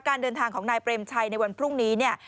การเดินทางของนายเปรมชัยในวันพรุ่งนี้เนี่ย